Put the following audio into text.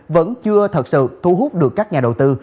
vẫn chưa thật sự thu hút được các nhà đầu tư